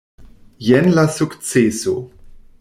Jen la sukceso.